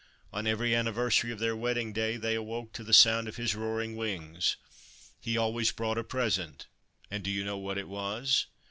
On every anniversary of their wedding day, they awoke to the sound of his roaring wings. He always brought a present ; and do you know what it was